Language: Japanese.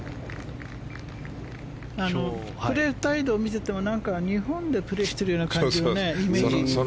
プレー態度を見ていても日本でプレーしているようなイメージ。